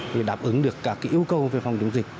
để đáp ứng được các yêu cầu về phòng chống dịch